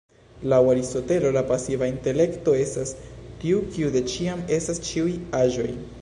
Laŭ Aristotelo, la pasiva intelekto "estas tiu kiu de ĉiam estas ĉiuj aĵoj".